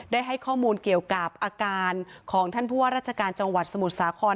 ได้ให้ข้อมูลเกี่ยวกับอาการของท่านผู้ว่าราชการจังหวัดสมุทรสาคร